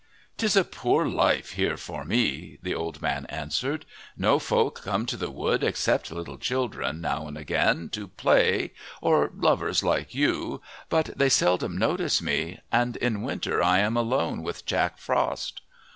"'Tis a poor life here for me," the old man answered. "No folk come to the wood, except little children, now and again, to play, or lovers like you. But they seldom notice me. And in winter I am alone with Jack Frost!